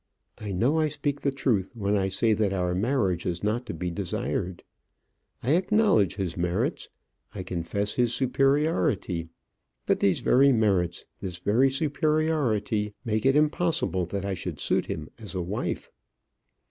I know I speak the truth when I say that our marriage is not to be desired. I acknowledge his merits; I confess his superiority: but these very merits, this great superiority, make it impossible that I should suit him as a wife.